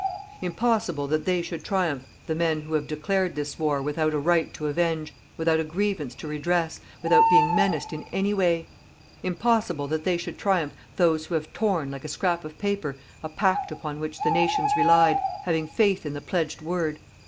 Impossible that they should triumph the men who have declared this war without a right to avenge, without a grievance to redress, without being menaced in any way. Impossible that they should triumph those who have torn, like a scrap of paper, a pact upon which the nations relied, having faith in the pledged word.